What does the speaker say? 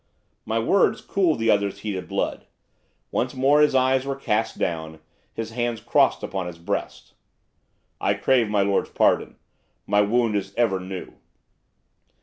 My words cooled the other's heated blood. Once more his eyes were cast down, his hands crossed upon his breast. 'I crave my lord's pardon. My wound is ever new.